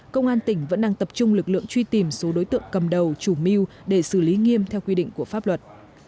công an tỉnh vẫn đang tập trung lực lượng truy tìm số đối tượng cầm đầu chủ mưu để xử lý nghiêm theo quy định của pháp luật